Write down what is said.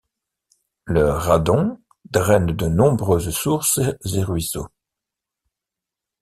Le Raddon draine de nombreuses sources et ruisseaux.